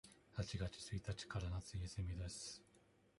八月一日から夏休みです。